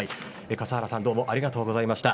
笠原さんどうもありがとうございました。